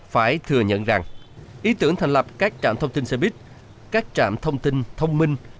phải thừa nhận rằng ý tưởng thành lập các trạm thông tin xe buýt các trạm thông tin thông minh